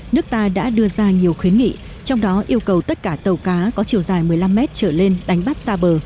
nước ta đã đưa ra nhiều khuyến nghị trong đó yêu cầu tất cả tàu cá có chiều dài một mươi năm mét trở lên đánh bắt xa bờ